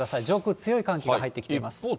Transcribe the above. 上空、強い寒気が入ってきています。